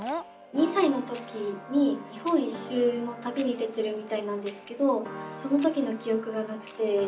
２さいの時に日本一周のたびに出てるみたいなんですけどその時のきおくがなくて。